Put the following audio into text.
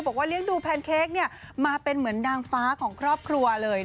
เลี้ยงดูแพนเค้กมาเป็นเหมือนนางฟ้าของครอบครัวเลย